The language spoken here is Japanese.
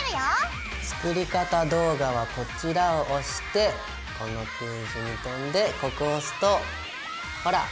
「作り方動画はこちら」を押してこのページに飛んでここを押すとほらっ！